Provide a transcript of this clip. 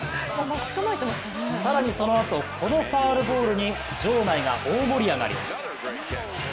更にそのあと、このファウルボールに場内が大盛り上がり。